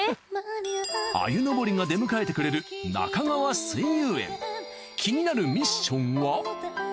アユのぼりが出迎えてくれる気になるミッションは。